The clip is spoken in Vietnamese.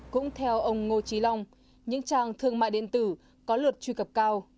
cũng theo ông ngô trí long những trang thương mại điện tử có lượt truy cập cao